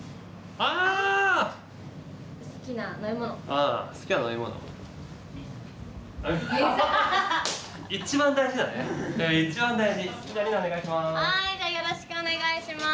はいじゃあよろしくお願いします。